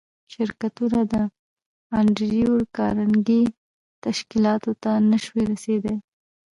شرکتونه د انډریو کارنګي تشکیلاتو ته نشوای رسېدای